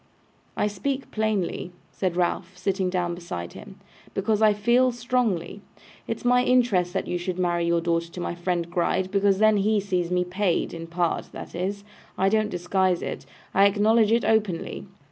'I speak plainly,' said Ralph, sitting down beside him, 'because I feel strongly. It's my interest that you should marry your daughter to my friend Gride, because then he sees me paid in part, that is. I don't disguise it. I acknowledge it openly.